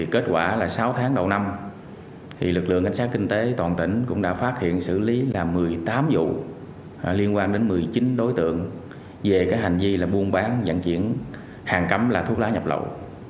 kết quả là sáu tháng đầu năm lực lượng cảnh sát kinh tế toàn tỉnh cũng đã phát hiện xử lý là một mươi tám vụ liên quan đến một mươi chín đối tượng về hành vi là buôn bán dẫn chuyển hàng cấm là thuốc lá nhập lậu